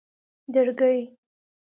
درگۍ